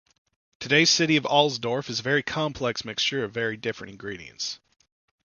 Today's city of Alsdorf is a very complex mixture of very different ingredients.